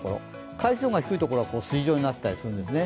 海水温が低いところは筋状になったりするんですね。